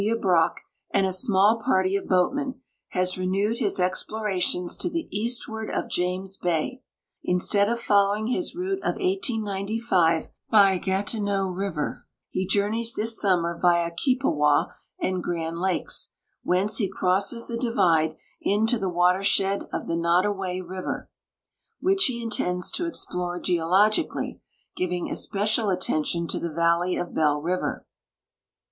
AY. Brock and a small party of boatmen, has renewed his explorations to the eastward of .James bay. Instead of following his route of 1895 by Gati neau river, he journeys this summer via Keepawa and Graml lakes, whence he crosses the divide into the watershed of the Noddawai river, which he intends to explore geologically, giving especial attention to the valley of Bell river.